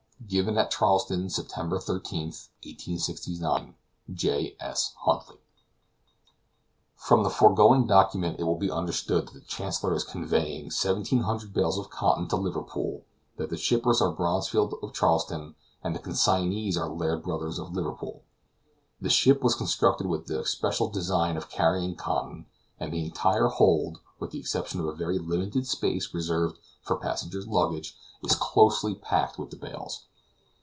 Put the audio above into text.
Given at Charleston, September 13th, 1869. J. S. HUNTLY. From the foregoing document it will be understood that the Chancellor is conveying 1,700 bales of cotton to Liverpool; that the shippers are Bronsfield, of Charleston, and the consignees are Laird Brothers of Liverpool. The ship was constructed with the especial design of carrying cotton, and the entire hold, with the exception of a very limited space reserved for passenger's luggage, is closely packed with the bales.